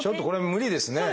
無理ですね。